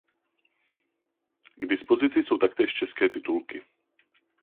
K dispozici jsou taktéž české titulky.